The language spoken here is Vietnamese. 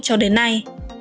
cho đến nay